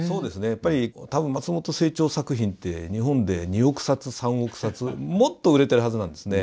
やっぱり多分松本清張作品って日本で２億冊３億冊もっと売れてるはずなんですね。